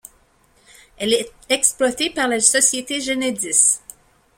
Elle est exploitée par la société Genedis.